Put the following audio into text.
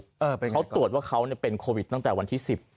เขาตรวจว่าเขาเป็นโควิดตั้งแต่วันที่๑๐